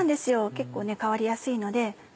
結構変わりやすいので。